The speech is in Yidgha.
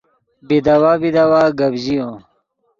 بیداوا بیداوا گپ ژیو